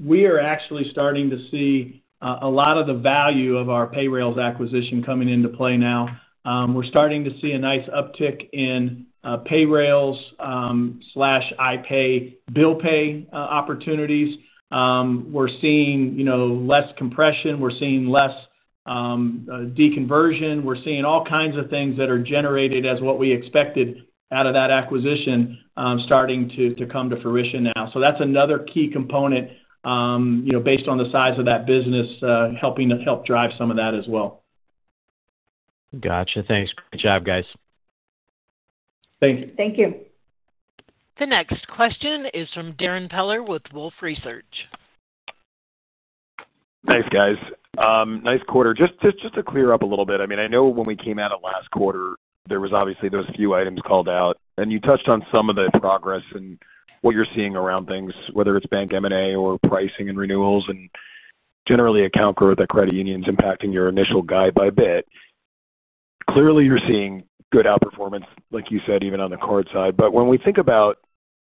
We are actually starting to see a lot of the value of our Payrailz acquisition coming into play now. We're starting to see a nice uptick in Payrailz and iPay bill pay opportunities. We're seeing less compression. We're seeing less deconversion. We're seeing all kinds of things that are generated as what we expected out of that acquisition starting to come to fruition now. That's another key component. Based on the size of that business, helping to help drive some of that as well. Gotcha. Thanks. Good job, guys. Thanks. Thank you. The next question is from Darrin Peller with Wolfe Research. Thanks, guys. Nice quarter. Just to clear up a little bit, I mean, I know when we came out of last quarter, there was obviously those few items called out. You touched on some of the progress and what you're seeing around things, whether it's bank M&A or pricing and renewals and generally account growth at credit unions impacting your initial guide by a bit. Clearly, you're seeing good outperformance, like you said, even on the card side. When we think about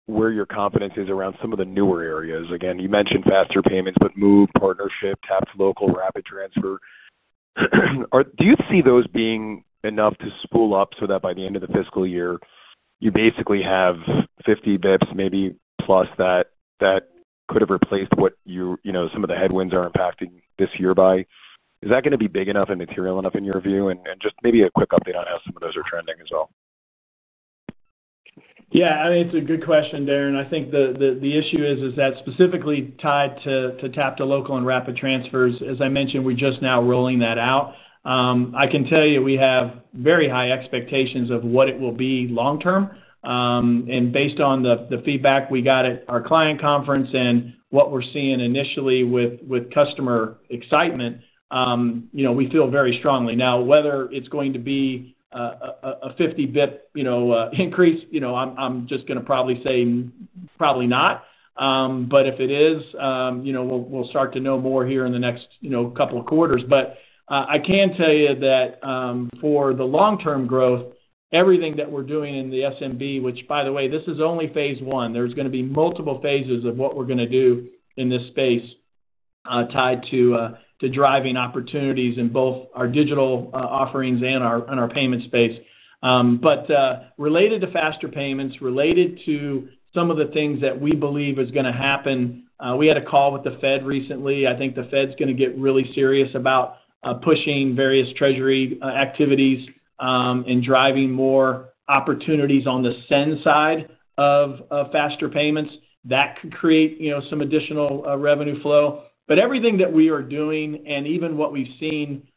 where your confidence is around some of the newer areas, again, you mentioned faster payments, but Moov partnership, Tap2Local, Rapid Transfers. Do you see those being enough to spool up so that by the end of the fiscal year, you basically have 50 basis points, maybe plus that. Could have replaced what some of the headwinds are impacting this year by? Is that going to be big enough and material enough in your view? And just maybe a quick update on how some of those are trending as well. Yeah. I mean, it's a good question, Darrin. I think the issue is that specifically tied to Tap2Local and Rapid Transfers. As I mentioned, we're just now rolling that out. I can tell you we have very high expectations of what it will be long-term. And based on the feedback we got at our client conference and what we're seeing initially with customer excitement. We feel very strongly. Now, whether it's going to be a 50 bps increase, I'm just going to probably say. Probably not. But if it is. We'll start to know more here in the next couple of quarters. But I can tell you that. For the long-term growth, everything that we're doing in the SMB, which, by the way, this is only phase one. There's going to be multiple phases of what we're going to do in this space. Tied to driving opportunities in both our digital offerings and our payment space. Related to faster payments, related to some of the things that we believe is going to happen, we had a call with the Fed recently. I think the Fed's going to get really serious about pushing various treasury activities. Driving more opportunities on the send side of faster payments. That could create some additional revenue flow. Everything that we are doing and even what we've seen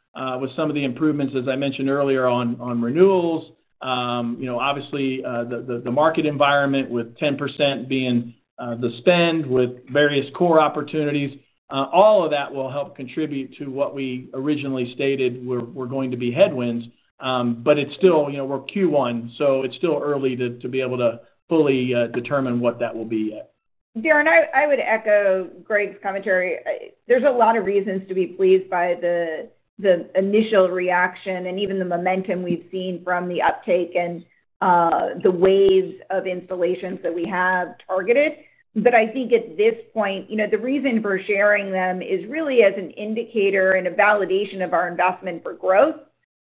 with some of the improvements, as I mentioned earlier, on renewals. Obviously, the market environment with 10% being the spend with various core opportunities, all of that will help contribute to what we originally stated were going to be headwinds. It is still, we are Q1, so it is still early to be able to fully determine what that will be yet. Darrin, I would echo Greg's commentary. There is a lot of reasons to be pleased by the initial reaction and even the momentum we have seen from the uptake and the waves of installations that we have targeted. I think at this point, the reason for sharing them is really as an indicator and a validation of our investment for growth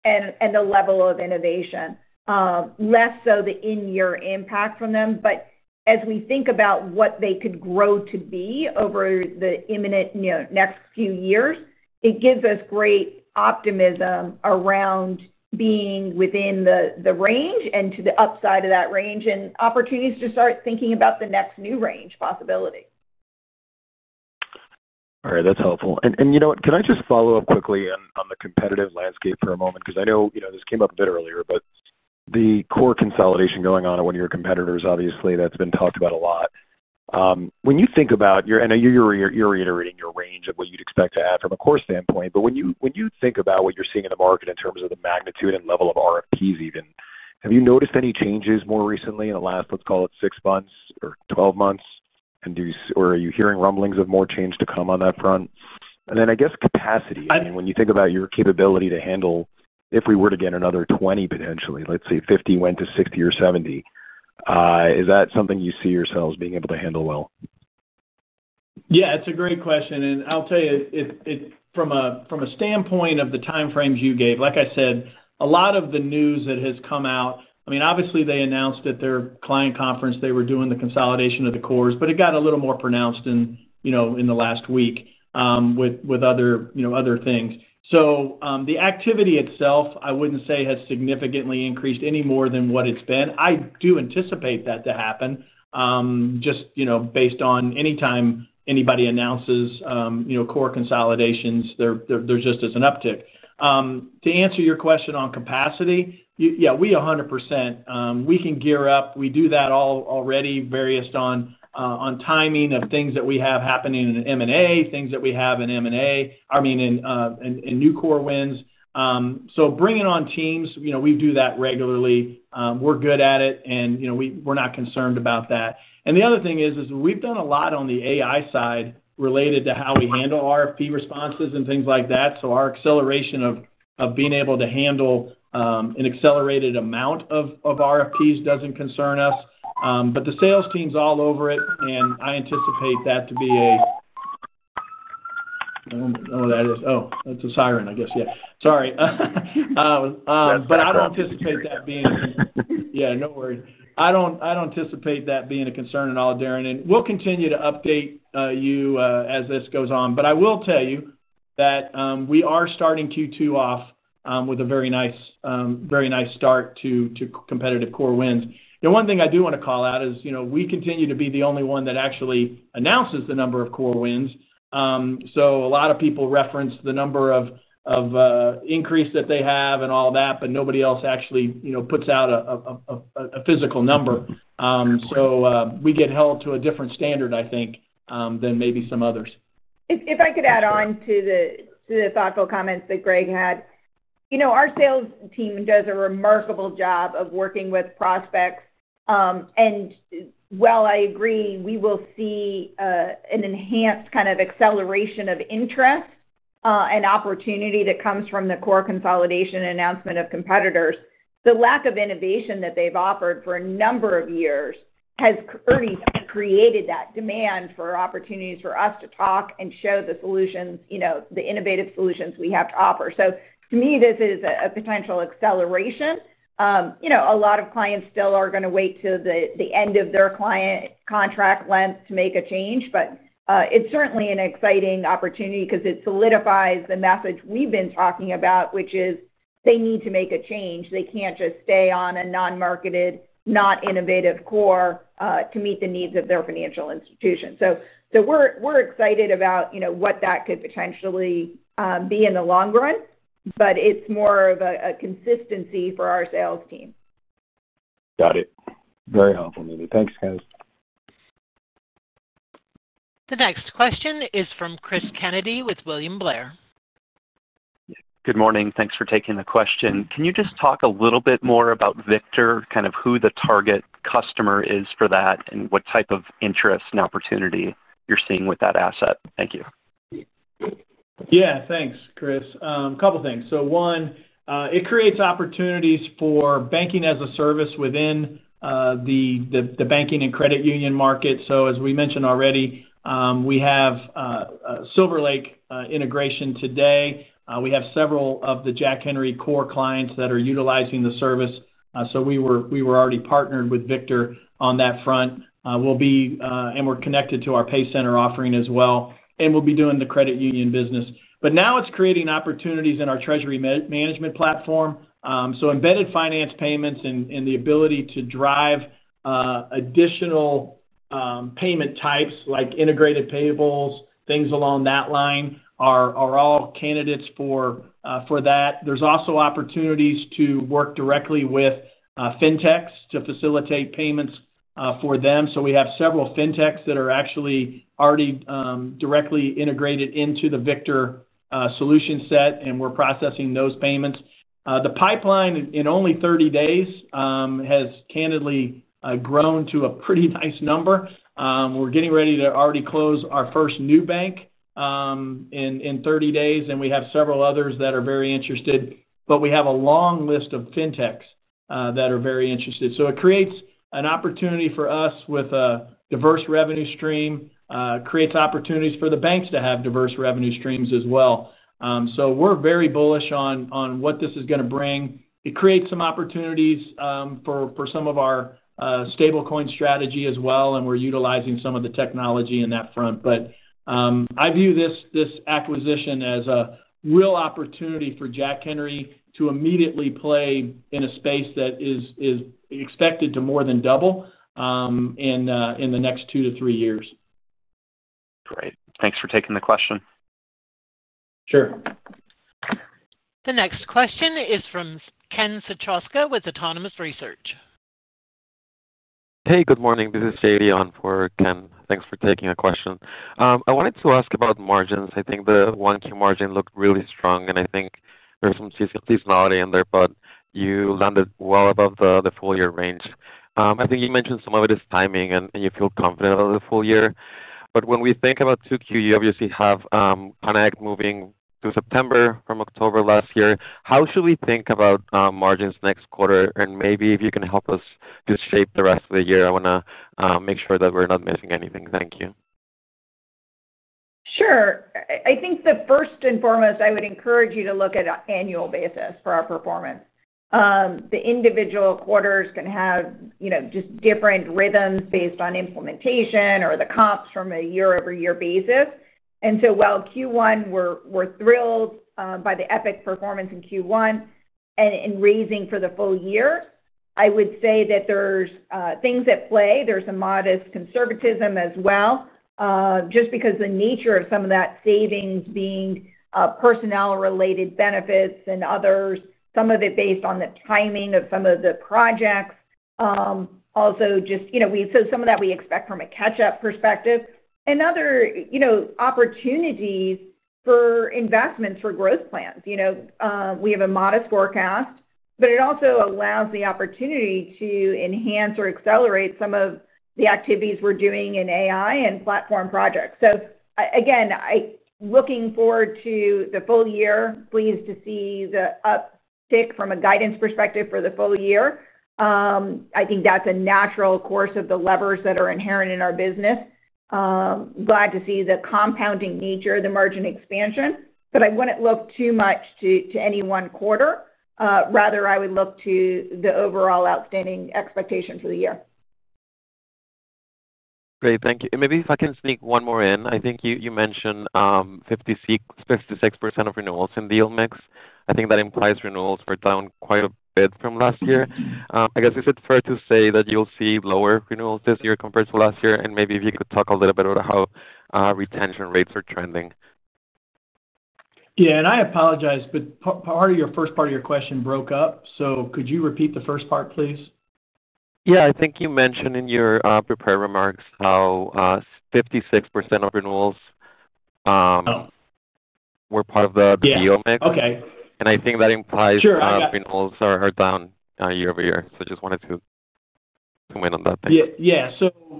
and the level of innovation. Less so the in-year impact from them. As we think about what they could grow to be over the imminent next few years, it gives us great optimism around. Being within the range and to the upside of that range and opportunities to start thinking about the next new range possibility. All right. That's helpful. You know what? Can I just follow up quickly on the competitive landscape for a moment? I know this came up a bit earlier, but the core consolidation going on in one of your competitors, obviously, that's been talked about a lot. When you think about your—and I know you're reiterating your range of what you'd expect to add from a core standpoint—but when you think about what you're seeing in the market in terms of the magnitude and level of RFPs even, have you noticed any changes more recently in the last, let's call it, 6 months or 12 months? Are you hearing rumblings of more change to come on that front? I guess capacity. I mean, when you think about your capability to handle if we were to get another 20, potentially, let's say 50 went to 60 or 70. Is that something you see yourselves being able to handle well? Yeah. It's a great question. I'll tell you, from a standpoint of the timeframes you gave, like I said, a lot of the news that has come out, I mean, obviously, they announced at their client conference they were doing the consolidation of the cores, but it got a little more pronounced in the last week with other things. The activity itself, I wouldn't say has significantly increased any more than what it's been. I do anticipate that to happen. Just based on any time anybody announces core consolidations, there just is an uptick. To answer your question on capacity, yeah, we 100%. We can gear up. We do that already, various on timing of things that we have happening in M&A, things that we have in M&A, I mean, in new core wins. So bringing on teams, we do that regularly. We're good at it, and we're not concerned about that. The other thing is we've done a lot on the AI side related to how we handle RFP responses and things like that. Our acceleration of being able to handle an accelerated amount of RFPs doesn't concern us. The sales team's all over it, and I anticipate that to be a—I don't know what that is. Oh, that's a siren, I guess. Yeah. Sorry. I don't anticipate that being a—yeah, no worries. I don't anticipate that being a concern at all, Darrin. We'll continue to update you as this goes on. I will tell you that we are starting Q2 off with a very nice start to competitive core wins. The one thing I do want to call out is we continue to be the only one that actually announces the number of core wins. A lot of people reference the number of increase that they have and all that, but nobody else actually puts out a physical number. We get held to a different standard, I think, than maybe some others. If I could add on to the thoughtful comments that Greg had, our sales team does a remarkable job of working with prospects. While I agree we will see an enhanced kind of acceleration of interest. Opportunity that comes from the core consolidation announcement of competitors, the lack of innovation that they've offered for a number of years has already created that demand for opportunities for us to talk and show the solutions, the innovative solutions we have to offer. To me, this is a potential acceleration. A lot of clients still are going to wait till the end of their client contract length to make a change. It is certainly an exciting opportunity because it solidifies the message we've been talking about, which is they need to make a change. They can't just stay on a non-marketed, not innovative core to meet the needs of their financial institution. We're excited about what that could potentially be in the long run, but it's more of a consistency for our sales team. Got it. Very helpful, Amy. Thanks, guys. The next question is from Cris Kennedy with William Blair. Good morning. Thanks for taking the question. Can you just talk a little bit more about Victor, kind of who the target customer is for that and what type of interest and opportunity you're seeing with that asset? Thank you. Yeah. Thanks, Cris. A couple of things. One, it creates opportunities for banking as a service within the banking and credit union market. As we mentioned already, we have SilverLake integration today. We have several of the Jack Henry core clients that are utilizing the service. We were already partnered with Victor on that front. We are connected to our PayCenter offering as well. We will be doing the credit union business. Now it is creating opportunities in our treasury management platform. Embedded finance payments and the ability to drive additional. Payment types like integrated payables, things along that line, are all candidates for that. There are also opportunities to work directly with fintechs to facilitate payments for them. We have several fintechs that are actually already directly integrated into the Victor solution set, and we are processing those payments. The pipeline in only 30 days has candidly grown to a pretty nice number. We are getting ready to already close our first new bank in 30 days, and we have several others that are very interested. We have a long list of fintechs that are very interested. It creates an opportunity for us with a diverse revenue stream, and creates opportunities for the banks to have diverse revenue streams as well. We are very bullish on what this is going to bring. It creates some opportunities for some of our stablecoin strategy as well, and we're utilizing some of the technology in that front. I view this acquisition as a real opportunity for Jack Henry to immediately play in a space that is expected to more than double in the next two to three years. Great. Thanks for taking the question. Sure. The next question is from Ken Suchoski with Autonomous Research. Hey, good morning. This is Jerry on for Ken. Thanks for taking the question. I wanted to ask about margins. I think the one-year margin looked really strong, and I think there's some seasonality in there, but you landed well above the full-year range. I think you mentioned some of it is timing, and you feel confident about the full year. When we think about Q2, you obviously have Connect moving to September from October last year. How should we think about margins next quarter? And maybe if you can help us just shape the rest of the year, I want to make sure that we're not missing anything. Thank you. Sure. I think the first and foremost, I would encourage you to look at an annual basis for our performance. The individual quarters can have just different rhythms based on implementation or the comps from a year-over-year basis. While Q1, we're thrilled by the epic performance in Q1 and raising for the full year, I would say that there's things at play. There's some modest conservatism as well, just because the nature of some of that savings being personnel-related benefits and others, some of it based on the timing of some of the projects. Also just so some of that we expect from a catch-up perspective, and other opportunities for investments for growth plans. We have a modest forecast, but it also allows the opportunity to enhance or accelerate some of the activities we're doing in AI and platform projects. Again, looking forward to the full year, pleased to see the uptick from a guidance perspective for the full year. I think that's a natural course of the levers that are inherent in our business. Glad to see the compounding nature, the margin expansion. I wouldn't look too much to any one quarter. Rather, I would look to the overall outstanding expectation for the year. Great. Thank you. Maybe if I can sneak one more in. I think you mentioned 56% of renewals in the deal mix. I think that implies renewals are down quite a bit from last year. I guess is it fair to say that you'll see lower renewals this year compared to last year? Maybe if you could talk a little bit about how retention rates are trending. Yeah. I apologize, but part of your first part of your question broke up. Could you repeat the first part, please? Yeah. I think you mentioned in your prepared remarks how 56% of renewals were part of the deal mix. I think that implies renewals are down year-over-year. I just wanted to comment on that. Thank you. Yeah.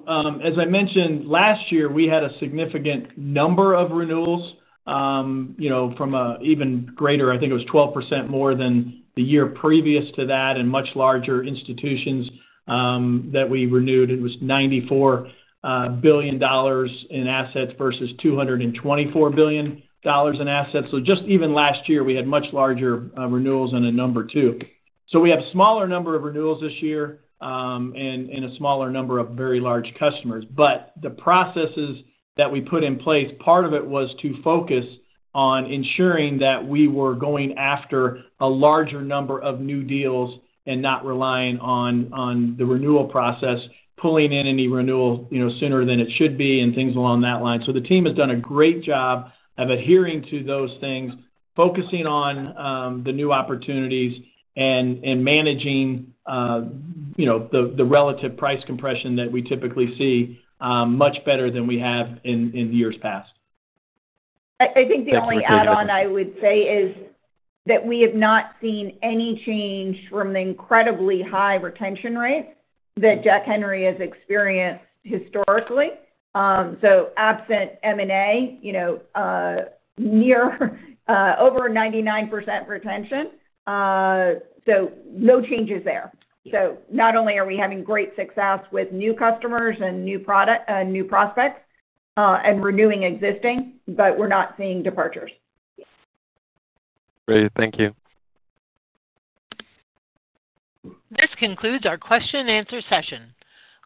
As I mentioned, last year, we had a significant number of renewals from an even greater, I think it was 12% more than the year previous to that, and much larger institutions that we renewed. It was $94 billion in assets versus $224 billion in assets. Just even last year, we had much larger renewals in number, too. We have a smaller number of renewals this year. A smaller number of very large customers. The processes that we put in place, part of it was to focus on ensuring that we were going after a larger number of new deals and not relying on the renewal process, pulling in any renewal sooner than it should be, and things along that line. The team has done a great job of adhering to those things, focusing on the new opportunities, and managing the relative price compression that we typically see much better than we have in years past. I think the only add-on I would say is that we have not seen any change from the incredibly high retention rate that Jack Henry has experienced historically. Absent M&A, near over 99% retention. No changes there. Not only are we having great success with new customers and new prospects and renewing existing, but we're not seeing departures. Great. Thank you. This concludes our question-and-answer session.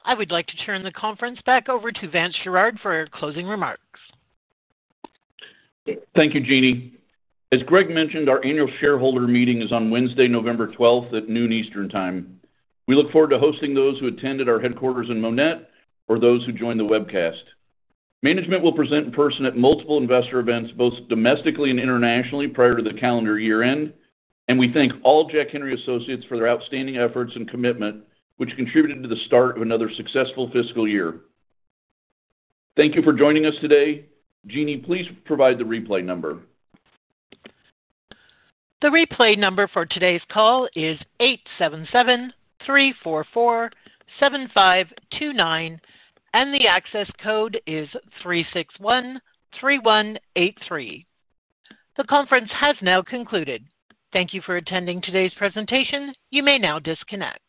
I would like to turn the conference back over to Vance Sherard for closing remarks. Thank you, Jeannie. As Greg mentioned, our annual shareholder meeting is on Wednesday, November 12, at noon Eastern Time. We look forward to hosting those who attended our headquarters in Monett or those who joined the webcast. Management will present in person at multiple investor events, both domestically and internationally, prior to the calendar year-end. We thank all Jack Henry & Associates for their outstanding efforts and commitment, which contributed to the start of another successful fiscal year. Thank you for joining us today. Jeannie, please provide the replay number. The replay number for today's call is eight seven seven three four four seven five two nine, and the access code is three six one three one eight three. The conference has now concluded. Thank you for attending today's presentation. You may now disconnect.